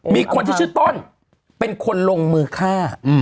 มีคนที่ชื่อต้นเป็นคนลงมือฆ่า